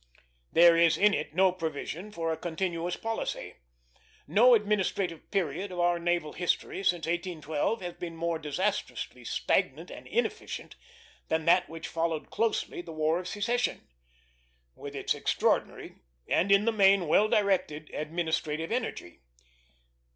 There is in it no provision for a continuous policy. No administrative period of our naval history since 1812 has been more disastrously stagnant and inefficient than that which followed closely the War of Secession, with its extraordinary, and in the main well directed, administrative energy.